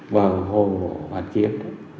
vào hồ hoàn kiếm